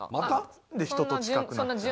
なんで人と近くなっちゃう。